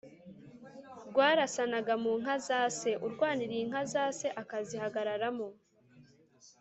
Rwarasanaga mu nka za se: urwaniriye inka za se akazihagararamo